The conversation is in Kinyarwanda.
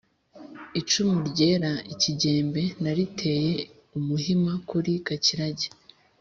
icumu ryera ikigembe nariteye umuhima kuri Gakirage,